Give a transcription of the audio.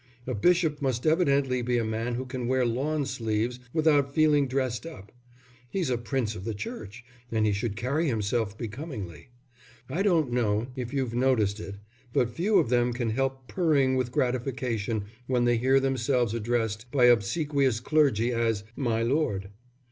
A bishop must evidently be a man who can wear lawn sleeves without feeling dressed up. He's a Prince of the Church, and he should carry himself becomingly. I don't know if you've noticed it, but few of them can help purring with gratification when they hear themselves addressed by obsequious clergy as, my lord.